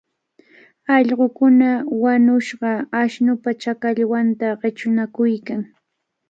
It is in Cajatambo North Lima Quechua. Allqukuna wañushqa ashnupa chakallwanta qichunakuykan.